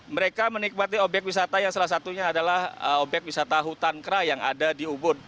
mereka menikmati obyek wisata yang salah satunya adalah obyek wisata hutan kera yang ada di ubud